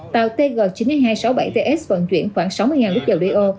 tàu tg chín mươi nghìn hai trăm sáu mươi bảy ts vận chuyển khoảng sáu mươi lít dầu đeo